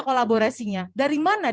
kolaborasinya dari mana